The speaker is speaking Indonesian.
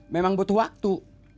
memang butuh waktu